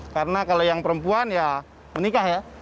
karena kalau yang perempuan ya menikah ya